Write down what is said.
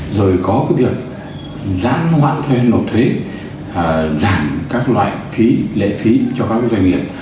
rồi có việc giãn hoãn thuê nộp thuế giảm các loại phí lệ phí cho các doanh nghiệp